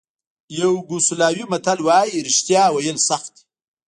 یوګوسلاویې متل وایي رښتیا ویل سخت دي.